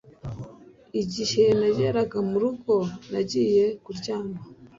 Igihe nageraga murugo nagiye kuryama